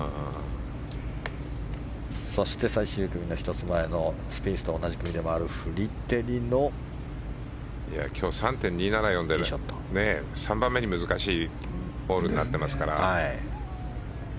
そして最終組の１つ前のスピースと同じ組の今日３．２７４だから３番目に難しいホールになっていますから。